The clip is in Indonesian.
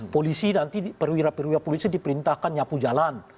polisi nanti perwira perwira polisi diperintahkan nyapu jalan